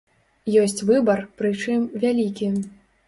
Ёсць выбар, прычым, вялікі.